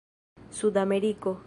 sudameriko